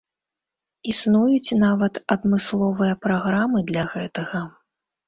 Існуюць нават адмысловыя праграмы для гэтага.